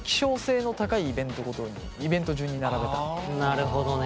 なるほどね。